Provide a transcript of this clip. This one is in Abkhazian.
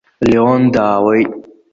Леон даауеит.